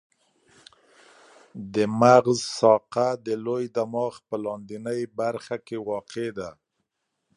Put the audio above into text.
د مغز ساقه د لوی دماغ په لاندنۍ برخه کې واقع ده.